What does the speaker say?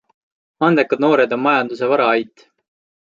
Andekad noored on majanduse varaait.